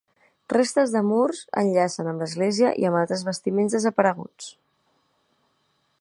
Restes de murs enllacen amb l'església i amb altres bastiments desapareguts.